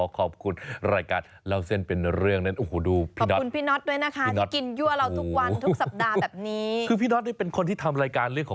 ก็เลยให้ลองปรับสภาพร่างกายก่อน